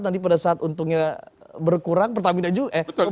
nanti pada saat untungnya berkurang pertamina juga